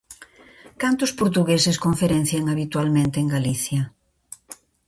Cantos portugueses conferencian habitualmente en Galicia?